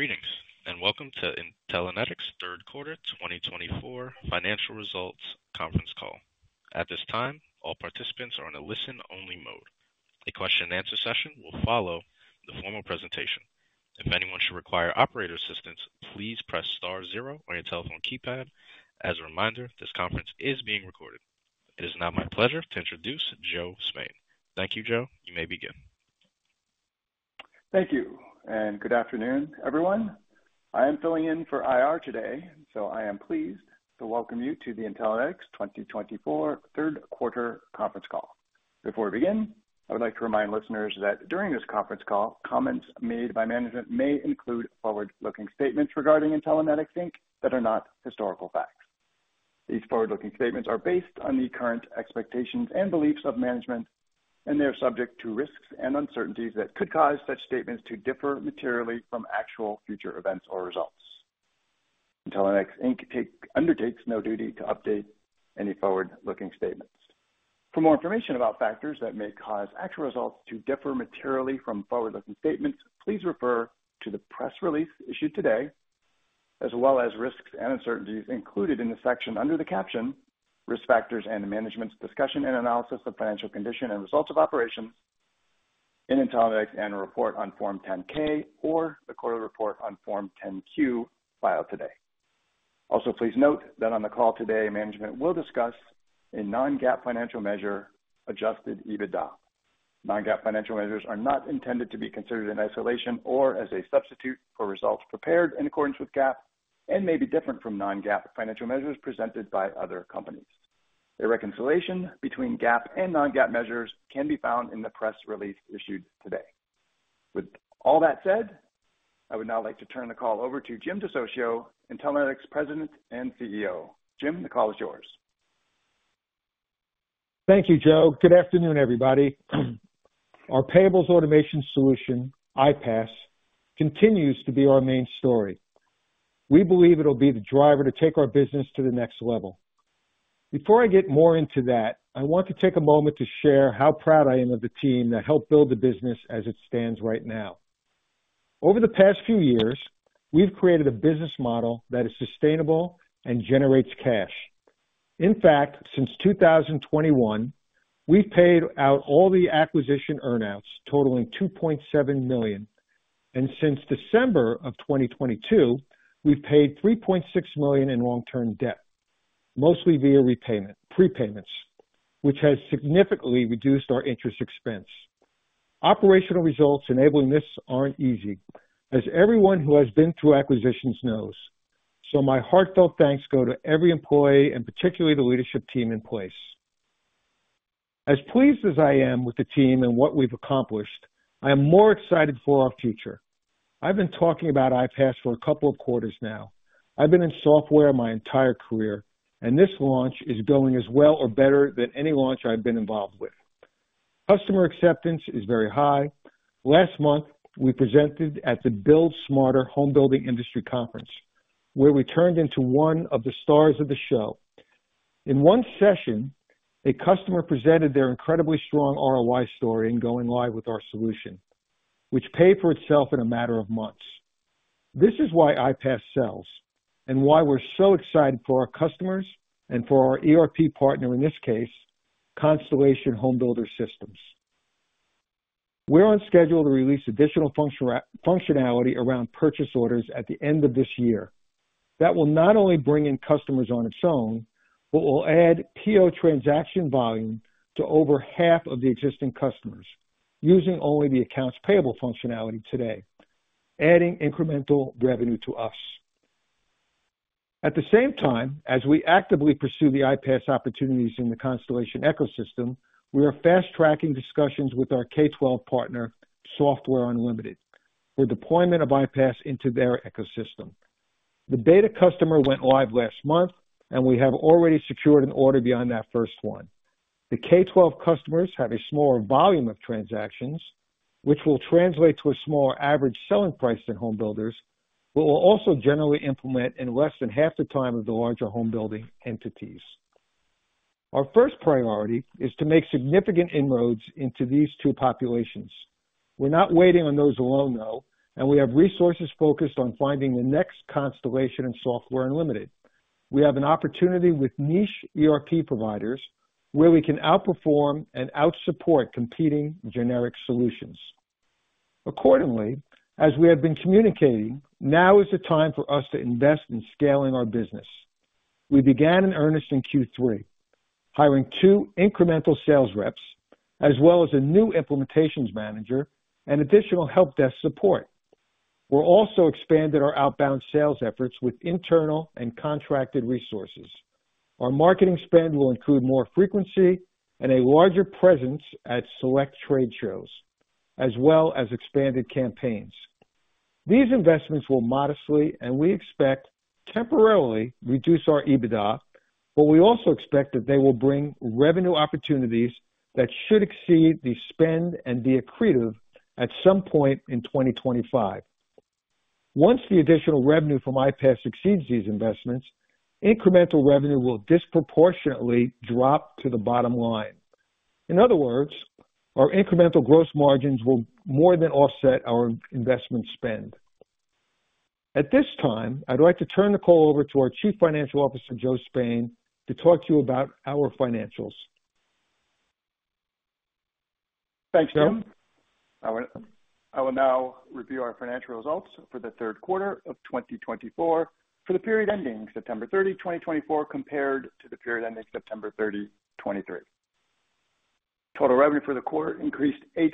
Greetings and welcome to Intellinetics Third Quarter 2024 Financial Results Conference Call. At this time, all participants are in a listen-only mode. A question-and-answer session will follow the formal presentation. If anyone should require operator assistance, please press star zero on your telephone keypad. As a reminder, this conference is being recorded. It is now my pleasure to introduce Joe Spain. Thank you, Joe. You may begin. Thank you and good afternoon, everyone. I am filling in for IR today, so I am pleased to welcome you to the Intellinetics 2024 Third Quarter Conference Call. Before we begin, I would like to remind listeners that during this conference call, comments made by management may include forward-looking statements regarding Intellinetics, Inc that are not historical facts. These forward-looking statements are based on the current expectations and beliefs of management, and they are subject to risks and uncertainties that could cause such statements to differ materially from actual future events or results. Intellinetics, Inc undertakes no duty to update any forward-looking statements. For more information about factors that may cause actual results to differ materially from forward-looking statements, please refer to the press release issued today, as well as risks and uncertainties included in the section under the caption, Risk Factors and Management's Discussion and Analysis of Financial Condition and Results of Operations in Intellinetics' Annual Report on Form 10-K or the Quarterly Report on Form 10-Q filed today. Also, please note that on the call today, management will discuss a Non-GAAP financial measure, Adjusted EBITDA. Non-GAAP financial measures are not intended to be considered in isolation or as a substitute for results prepared in accordance with GAAP and may be different from Non-GAAP financial measures presented by other companies. A reconciliation between GAAP and Non-GAAP measures can be found in the press release issued today. With all that said, I would now like to turn the call over to Jim DeSocio, Intellinetics President and CEO. Jim, the call is yours. Thank you, Joe. Good afternoon, everybody. Our payables automation solution, IPAS, continues to be our main story. We believe it'll be the driver to take our business to the next level. Before I get more into that, I want to take a moment to share how proud I am of the team that helped build the business as it stands right now. Over the past few years, we've created a business model that is sustainable and generates cash. In fact, since 2021, we've paid out all the acquisition earnouts totaling $2.7 million, and since December of 2022, we've paid $3.6 million in long-term debt, mostly via prepayments, which has significantly reduced our interest expense. Operational results enabling this aren't easy, as everyone who has been through acquisitions knows, so my heartfelt thanks go to every employee and particularly the leadership team in place. As pleased as I am with the team and what we've accomplished, I am more excited for our future. I've been talking about IPAS for a couple of quarters now. I've been in software my entire career, and this launch is going as well or better than any launch I've been involved with. Customer acceptance is very high. Last month, we presented at the Build Smarter Homebuilding Industry Conference, where we turned into one of the stars of the show. In one session, a customer presented their incredibly strong ROI story in going live with our solution, which paid for itself in a matter of months. This is why IPAS sells and why we're so excited for our customers and for our ERP partner, in this case, Constellation Homebuilder Systems. We're on schedule to release additional functionality around purchase orders at the end of this year that will not only bring in customers on its own, but will add PO transaction volume to over half of the existing customers using only the accounts payable functionality today, adding incremental revenue to us. At the same time, as we actively pursue the IPAS opportunities in the Constellation ecosystem, we are fast-tracking discussions with our K-12 partner, Software Unlimited, for deployment of IPAS into their ecosystem. The beta customer went live last month, and we have already secured an order beyond that first one. The K-12 customers have a smaller volume of transactions, which will translate to a smaller average selling price than homebuilders, but will also generally implement in less than half the time of the larger homebuilding entities. Our first priority is to make significant inroads into these two populations. We're not waiting on those alone, though, and we have resources focused on finding the next Constellation and Software Unlimited. We have an opportunity with niche ERP providers where we can outperform and outsupport competing generic solutions. Accordingly, as we have been communicating, now is the time for us to invest in scaling our business. We began in earnest in Q3, hiring two incremental sales reps, as well as a new implementations manager and additional help desk support. We're also expanding our outbound sales efforts with internal and contracted resources. Our marketing spend will include more frequency and a larger presence at select trade shows, as well as expanded campaigns. These investments will modestly, and we expect temporarily, reduce our EBITDA, but we also expect that they will bring revenue opportunities that should exceed the spend and be accretive at some point in 2025. Once the additional revenue from IPAS exceeds these investments, incremental revenue will disproportionately drop to the bottom line. In other words, our incremental gross margins will more than offset our investment spend. At this time, I'd like to turn the call over to our Chief Financial Officer, Joe Spain, to talk to you about our financials. Thanks, Jim. I will now review our financial results for the third quarter of 2024 for the period ending September 30, 2024, compared to the period ending September 30, 2023. Total revenue for the quarter increased 8%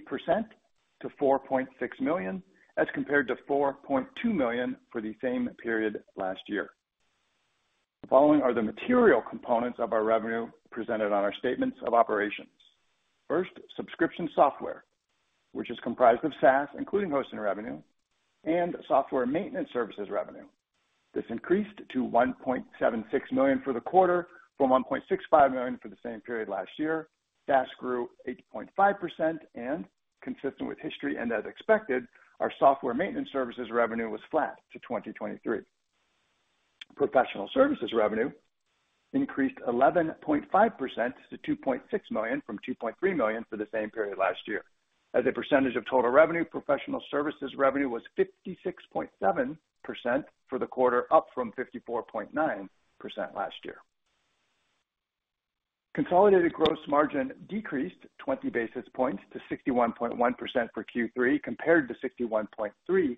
to $4.6 million, as compared to $4.2 million for the same period last year. The following are the material components of our revenue presented on our statements of operations. First, subscription software, which is comprised of SaaS, including hosting revenue, and software maintenance services revenue. This increased to $1.76 million for the quarter from $1.65 million for the same period last year. SaaS grew 8.5%, and consistent with history and as expected, our software maintenance services revenue was flat to 2023. Professional services revenue increased 11.5% to $2.6 million from $2.3 million for the same period last year. As a percentage of total revenue, professional services revenue was 56.7% for the quarter, up from 54.9% last year. Consolidated gross margin decreased 20 basis points to 61.1% for Q3, compared to 61.3%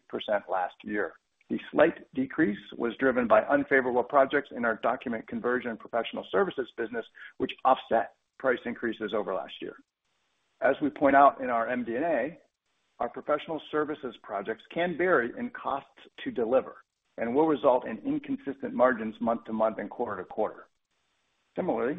last year. The slight decrease was driven by unfavorable projects in our document conversion and professional services business, which offset price increases over last year. As we point out in our MD&A, our professional services projects can vary in costs to deliver and will result in inconsistent margins month to month and quarter to quarter. Similarly,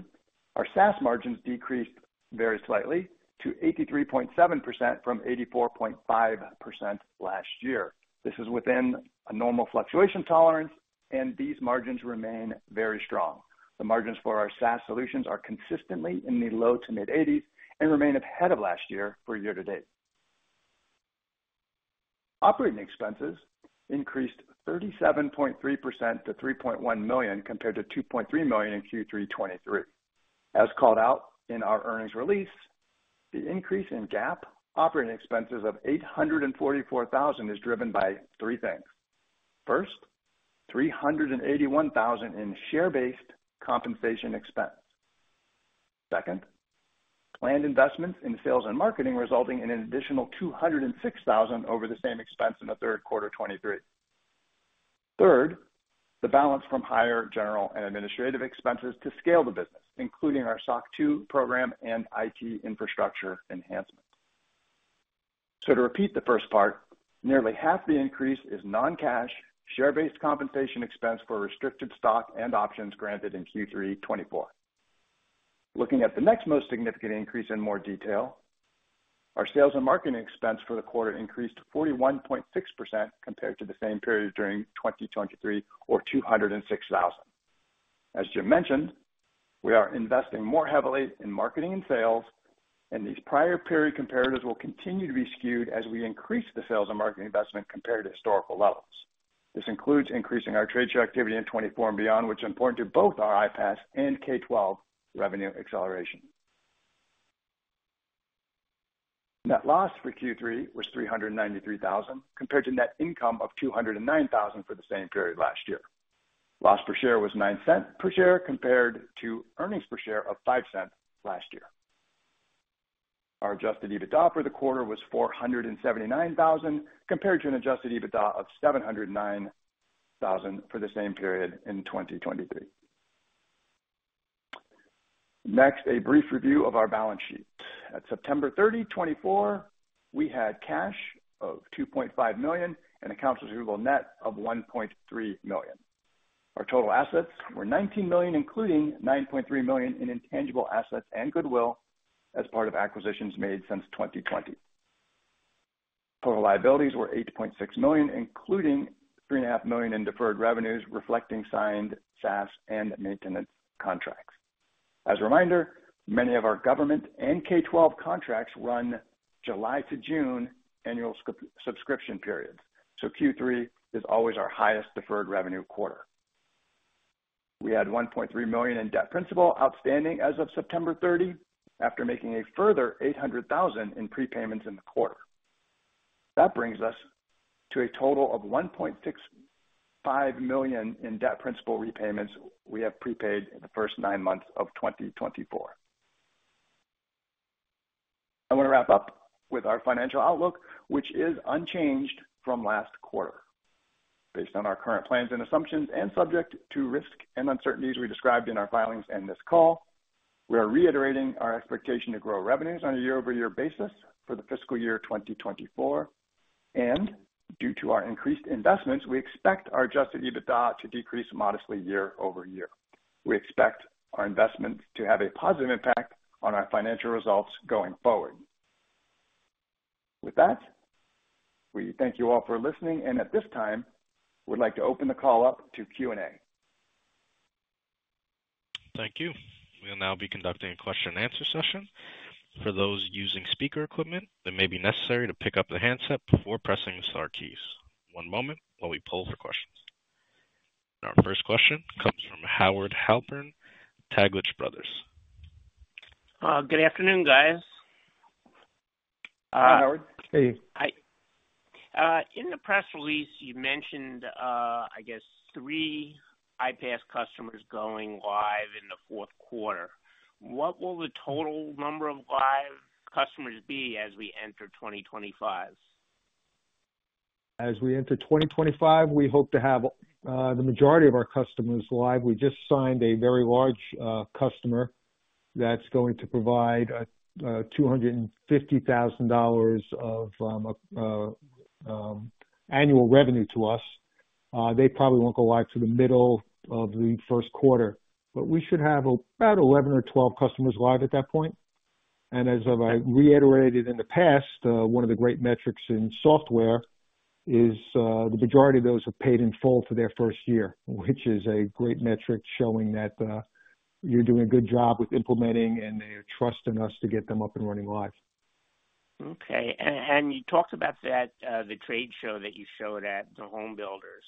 our SaaS margins decreased very slightly to 83.7% from 84.5% last year. This is within a normal fluctuation tolerance, and these margins remain very strong. The margins for our SaaS solutions are consistently in the low to mid-80s and remain ahead of last year for year to date. Operating expenses increased 37.3% to $3.1 million compared to $2.3 million in Q3 2023. As called out in our earnings release, the increase in GAAP operating expenses of $844,000 is driven by three things. First, $381,000 in share-based compensation expense. Second, planned investments in sales and marketing resulting in an additional $206,000 over the same expense in the third quarter 2023. Third, the balance from higher general and administrative expenses to scale the business, including our SOC 2 program and IT infrastructure enhancements. So to repeat the first part, nearly half the increase is non-cash share-based compensation expense for restricted stock and options granted in Q3 2024. Looking at the next most significant increase in more detail, our sales and marketing expense for the quarter increased 41.6% compared to the same period during 2023 or $206,000. As Jim mentioned, we are investing more heavily in marketing and sales, and these prior period comparatives will continue to be skewed as we increase the sales and marketing investment compared to historical levels. This includes increasing our trade show activity in 2024 and beyond, which is important to both our IPAS and K-12 revenue acceleration. Net loss for Q3 was $393,000 compared to net income of $209,000 for the same period last year. Loss per share was $0.09 per share compared to earnings per share of $0.05 last year. Our Adjusted EBITDA for the quarter was $479,000 compared to an Adjusted EBITDA of $709,000 for the same period in 2023. Next, a brief review of our balance sheet. At September 30, 2024, we had cash of $2.5 million and accounts receivable net of $1.3 million. Our total assets were $19 million, including $9.3 million in intangible assets and goodwill as part of acquisitions made since 2020. Total liabilities were $8.6 million, including $3.5 million in deferred revenues reflecting signed SaaS and maintenance contracts. As a reminder, many of our government and K-12 contracts run July to June annual subscription periods, so Q3 is always our highest deferred revenue quarter. We had $1.3 million in debt principal outstanding as of September 30, after making a further $800,000 in prepayments in the quarter. That brings us to a total of $1.65 million in debt principal repayments we have prepaid in the first nine months of 2024. I want to wrap up with our financial outlook, which is unchanged from last quarter. Based on our current plans and assumptions and subject to risk and uncertainties we described in our filings and this call, we are reiterating our expectation to grow revenues on a year-over-year basis for the fiscal year 2024. And due to our increased investments, we expect our Adjusted EBITDA to decrease modestly year over year. We expect our investments to have a positive impact on our financial results going forward. With that, we thank you all for listening, and at this time, we'd like to open the call up to Q&A. Thank you. We'll now be conducting a question-and-answer session. For those using speaker equipment, it may be necessary to pick up the handset before pressing the star keys. One moment while we pull for questions. Our first question comes from Howard Halpern, Taglich Brothers. Good afternoon, guys. Hi, Howard. Hey. Hi. In the press release, you mentioned, I guess, three IPAS customers going live in the fourth quarter. What will the total number of live customers be as we enter 2025? As we enter 2025, we hope to have the majority of our customers live. We just signed a very large customer that's going to provide $250,000 of annual revenue to us. They probably won't go live till the middle of the first quarter, but we should have about 11 or 12 customers live at that point. As I reiterated in the past, one of the great metrics in software is the majority of those are paid in full for their first year, which is a great metric showing that you're doing a good job with implementing and they are trusting us to get them up and running live. Okay. And you talked about the trade show that you showed at the homebuilders.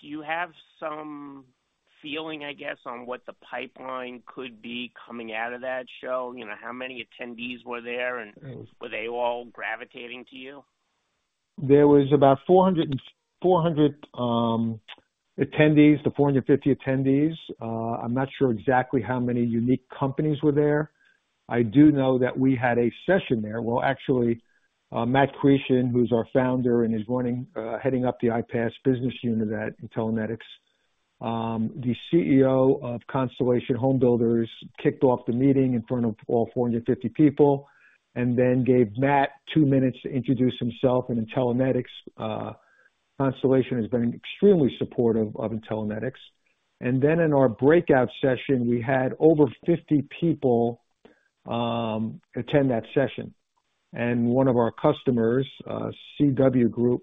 Do you have some feeling, I guess, on what the pipeline could be coming out of that show? How many attendees were there, and were they all gravitating to you? There was about 400 attendees, to 450 attendees. I'm not sure exactly how many unique companies were there. I do know that we had a session there. Well, actually, Matt Chretien, who's our founder and is heading up the IPAS business unit at Intellinetics, the CEO of Constellation Homebuilder Systems, kicked off the meeting in front of all 450 people and then gave Matt two minutes to introduce himself and Intellinetics. Constellation Homebuilder Systems has been extremely supportive of Intellinetics. And then in our breakout session, we had over 50 people attend that session. And one of our customers, CW Group,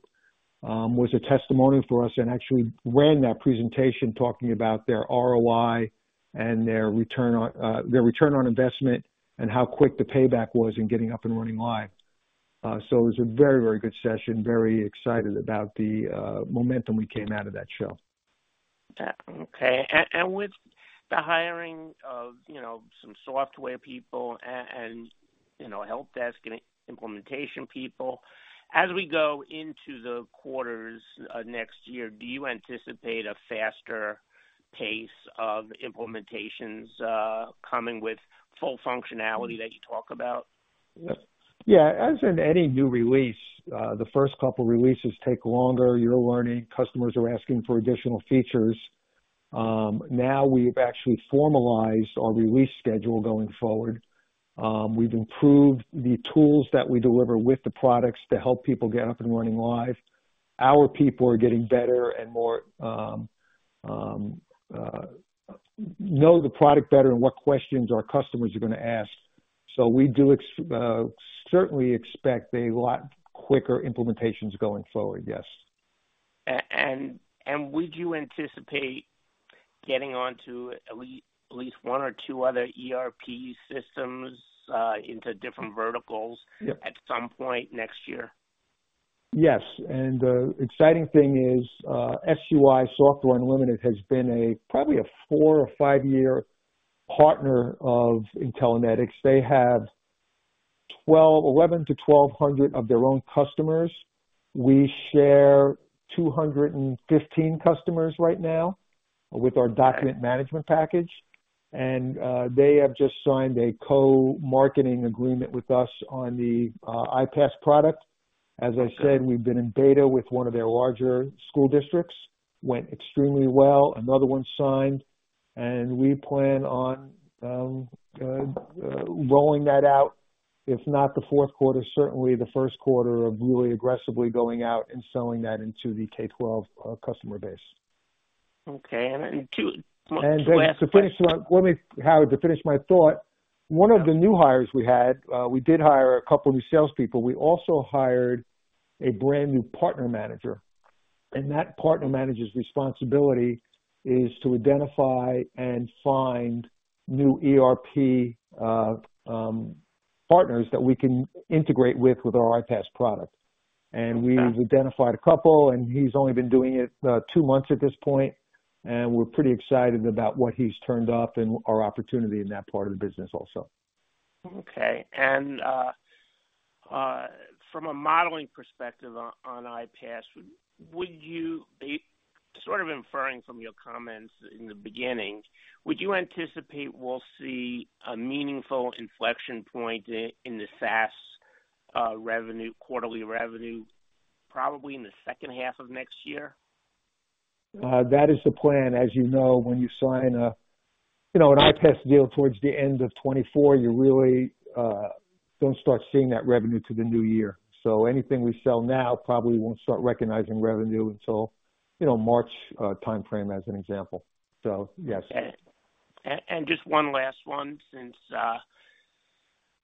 was a testimony for us and actually ran that presentation talking about their ROI and their return on investment and how quick the payback was in getting up and running live. So it was a very, very good session. Very excited about the momentum we came out of that show. Okay. And with the hiring of some software people and help desk implementation people, as we go into the quarters next year, do you anticipate a faster pace of implementations coming with full functionality that you talk about? Yeah. As in any new release, the first couple of releases take longer. You're learning. Customers are asking for additional features. Now we've actually formalized our release schedule going forward. We've improved the tools that we deliver with the products to help people get up and running live. Our people are getting better and know the product better and what questions our customers are going to ask. So we do certainly expect a lot quicker implementations going forward, yes. Would you anticipate getting onto at least one or two other ERP systems into different verticals at some point next year? Yes. And the exciting thing is SUI Software Unlimited has been probably a four or five-year partner of Intellinetics. They have 1,100 to 1,200 of their own customers. We share 215 customers right now with our document management package. And they have just signed a co-marketing agreement with us on the IPAS product. As I said, we've been in beta with one of their larger school districts. Went extremely well. Another one signed. And we plan on rolling that out, if not the fourth quarter, certainly the first quarter of really aggressively going out and selling that into the K-12 customer base. Okay, and to finish. To finish my thought, one of the new hires we had, we did hire a couple of new salespeople. We also hired a brand new partner manager. That partner manager's responsibility is to identify and find new ERP partners that we can integrate with our IPAS product. We've identified a couple, and he's only been doing it two months at this point. We're pretty excited about what he's turned up and our opportunity in that part of the business also. Okay, and from a modeling perspective on IPAS, sort of inferring from your comments in the beginning, would you anticipate we'll see a meaningful inflection point in the SaaS quarterly revenue probably in the second half of next year? That is the plan. As you know, when you sign an IPAS deal towards the end of 2024, you really don't start seeing that revenue to the new year. So anything we sell now probably won't start recognizing revenue until March timeframe, as an example. So yes. Just one last one, since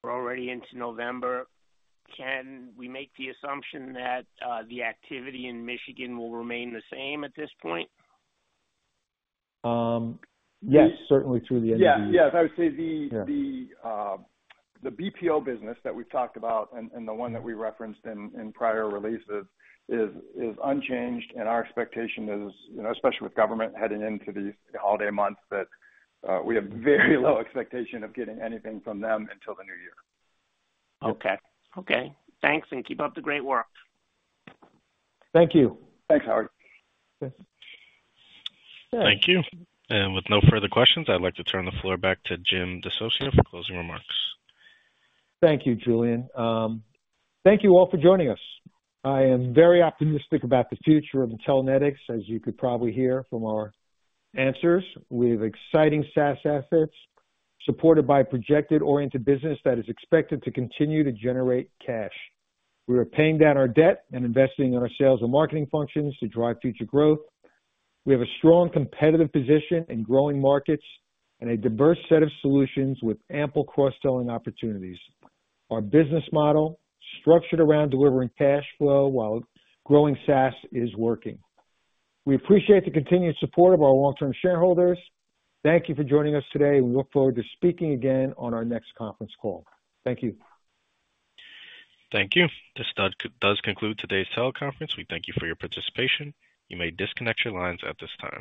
we're already into November, can we make the assumption that the activity in Michigan will remain the same at this point? Yes, certainly through the end of the year. Yeah. Yes. I would say the BPO business that we've talked about and the one that we referenced in prior releases is unchanged. And our expectation is, especially with government heading into these holiday months, that we have very low expectation of getting anything from them until the new year. Okay. Okay. Thanks, and keep up the great work. Thank you. Thanks, Howard. Thanks. Thank you. And with no further questions, I'd like to turn the floor back to Jim DeSocio for closing remarks. Thank you, Julian. Thank you all for joining us. I am very optimistic about the future of Intellinetics, as you could probably hear from our answers. We have exciting SaaS assets supported by a project-oriented business that is expected to continue to generate cash. We are paying down our debt and investing in our sales and marketing functions to drive future growth. We have a strong competitive position in growing markets and a diverse set of solutions with ample cross-selling opportunities. Our business model is structured around delivering cash flow while growing SaaS is working. We appreciate the continued support of our long-term shareholders. Thank you for joining us today. We look forward to speaking again on our next conference call. Thank you. Thank you. This does conclude today's teleconference. We thank you for your participation. You may disconnect your lines at this time.